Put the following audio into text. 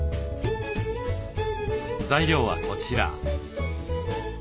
材料はこちら。